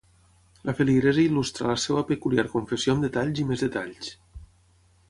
La feligresa il·lustra la seva peculiar confessió amb detalls i més detalls.